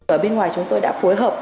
ở bên ngoài chúng tôi đã phối hợp